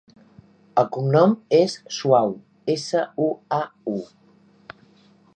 El cognom és Suau: essa, u, a, u.